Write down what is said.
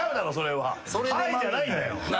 「はい」じゃないんだよ。